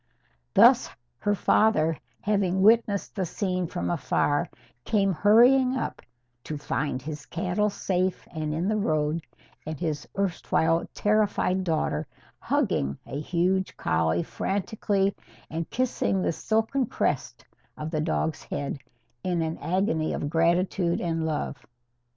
Thus, her father, having witnessed the scene from afar, came hurrying up, to find his cattle safe and in the road, and his erstwhile terrified daughter hugging a huge collie frantically and kissing the silken crest of the dog's head in an agony of gratitude and love.